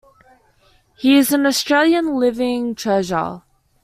He is an Australian Living Treasure.